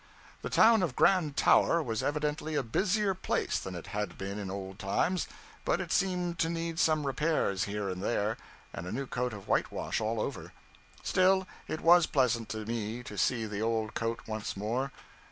The Town of Grand Tower was evidently a busier place than it had been in old times, but it seemed to need some repairs here and there, and a new coat of whitewash all over. Still, it was pleasant to me to see the old coat once more.